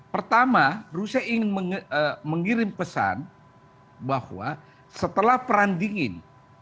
pertama rusia ingin mengirim pesan bahwa setelah perandingan